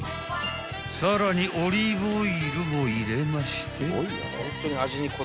［さらにオリーブオイルも入れまして］